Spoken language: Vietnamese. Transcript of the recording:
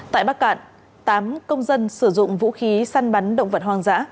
tại bắc cạn tám công dân sử dụng vũ khí săn bắn động vật hoang dã